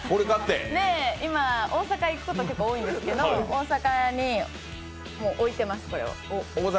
で、今、大阪行くこと結構多いんですけど、大阪にこれをおいています。